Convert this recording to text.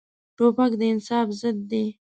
توپک د انصاف ضد دی.